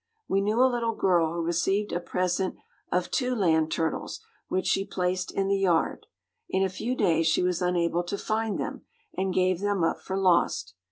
We knew a little girl who received a present of two land turtles, which she placed in the yard. In a few days she was unable to find them, and gave them up for lost.